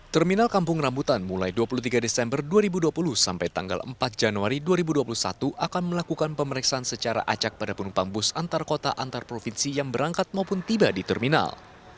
terminal kampung rambutan mulai dua puluh tiga desember dua ribu dua puluh sampai tanggal empat januari dua ribu dua puluh satu akan melakukan pemeriksaan secara acak pada penumpang bus antar kota antar provinsi yang berangkat maupun tiba di terminal